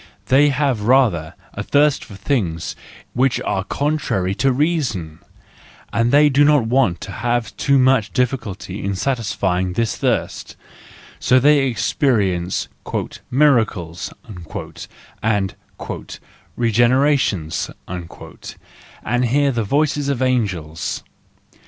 They have rather a thirst for things which are contrary to reason , and they don't want to have too much difficulty in satisfying this thirst,—so they experience "miracles" and "regenerations," and hear the voices of angels!